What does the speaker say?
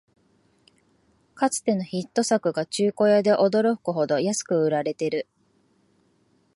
かつてのヒット作が中古屋で驚くほど安く売られてる